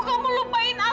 kamu lupain aku